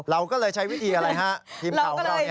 เราก็เลยใช้วิธีอะไรฮะทีมข่าวของเรา